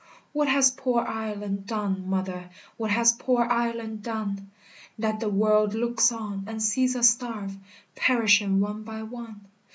What has poor Ireland done, mother, What has poor Ireland done, That the world looks on, and sees us starve, Perishing one by one?